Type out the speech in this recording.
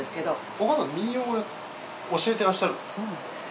お母さん民謡を教えていらっしゃる？